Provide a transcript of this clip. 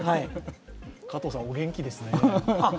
加藤さん、お元気ですね。